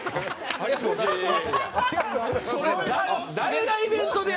「ありがとうございます」やない。